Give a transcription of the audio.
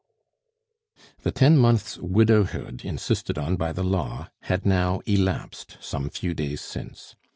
The ten months' widowhood insisted on by the law had now elapsed some few days since.